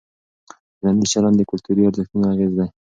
ټولنیز چلند د کلتوري ارزښتونو اغېز دی.